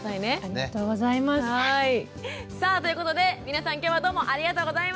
さあということで皆さん今日はどうもありがとうございました！